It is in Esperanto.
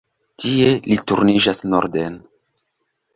Tie li turniĝas norden.